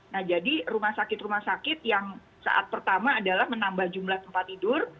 nah jadi rumah sakit rumah sakit yang saat pertama adalah menambah jumlah tempat tidur